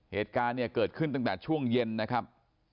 เหตุการณ์เนี่ยเกิดขึ้นตั้งแต่ช่วงเย็นนะครับ